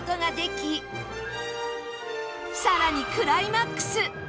さらにクライマックス！